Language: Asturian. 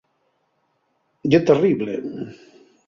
Ye terrible.